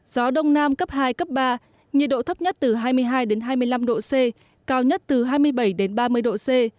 gió đông nam cấp hai cấp ba nhiệt độ thấp nhất từ hai mươi hai đến hai mươi năm độ c cao nhất từ hai mươi bảy đến ba mươi độ c